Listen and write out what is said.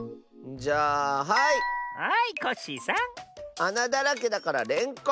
あなだらけだかられんこん！